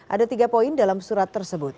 ada tiga poin dalam surat tersebut